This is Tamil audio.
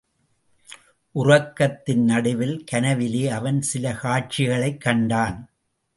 உறக்கத்தின் நடுவில், கனவிலே அவன் சில காட்சிகளைக் கண்டான்.